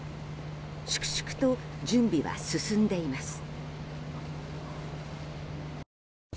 粛々と準備は進んでいます。